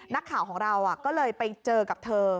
นักข่าวของเราก็เลยไปเจอกับเธอ